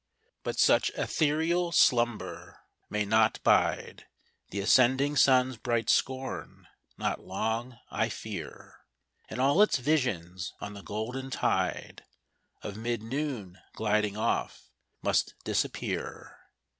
But such ethereal slumber may not bide The ascending sun's bright scorn not long, I fear; And all its visions on the golden tide Of mid noon gliding off, must disappear.